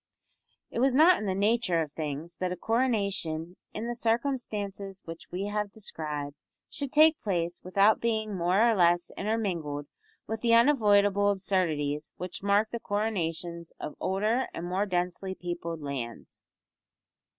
It was not in the nature of things that a coronation in the circumstances which we have described should take place without being more or less intermingled with the unavoidable absurdities which mark the coronations of older and more densely peopled lands.